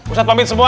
ustaz pamit semua